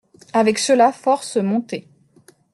Avec cela force montées.